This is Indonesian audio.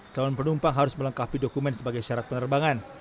calon penumpang harus melengkapi dokumen sebagai syarat penerbangan